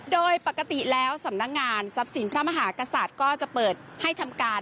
โดยปกติแล้วสำนักงานทรัพย์สินพระมหากษัตริย์ก็จะเปิดให้ทำการ